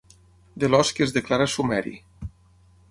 De l'ós que es declara sumeri.